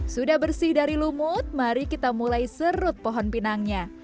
sudah bersih dari lumut mari kita mulai serut pohon pinangnya